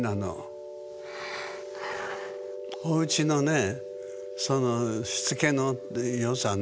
おうちのねそのしつけのよさね。